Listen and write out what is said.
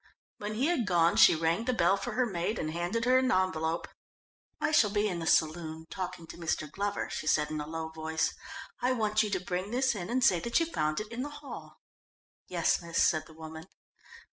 When he had gone she rang the bell for her maid and handed her an envelope. "I shall be in the saloon, talking to Mr. Glover," she said in a low voice. "I want you to bring this in and say that you found it in the hall." "Yes, miss," said the woman.